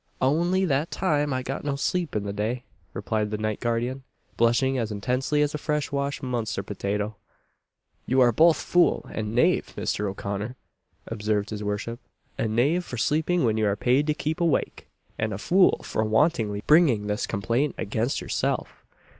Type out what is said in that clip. "Ounly that time I got no sleep in the day," replied the night guardian, blushing as intensely as a fresh washed Munster potato. "You are both fool and knave, Mr. O'Connor," observed his worship "a knave for sleeping when you are paid to keep awake, and a fool for wantonly bringing this complaint against yourself."